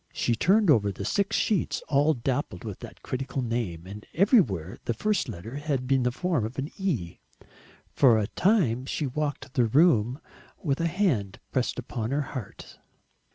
She turned over the six sheets, all dappled with that critical name, and everywhere the first letter had the form of an E! For a time she walked the room with a hand pressed upon her heart.